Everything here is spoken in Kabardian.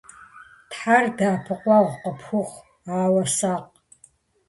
Тхьэр дэӀэпыкъуэгъу къыпхухъу. Ауэ сакъ.